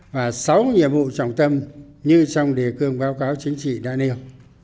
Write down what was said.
và sáu nhiệm vụ trọng tâm như trong đề cương báo cáo chính trị đã nêu